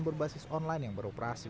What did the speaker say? berbasis online yang beroperasi